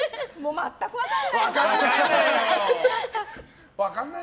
全く分からない！